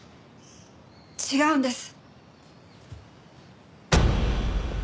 違うんです。